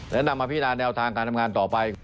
และนำมาพินาแนวทางการทำงานต่อไป